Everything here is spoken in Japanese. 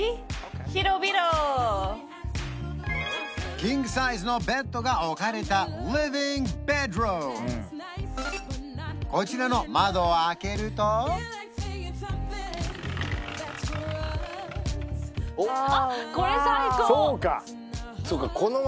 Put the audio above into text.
キングサイズのベッドが置かれたこちらの窓を開けるとオーワーオ！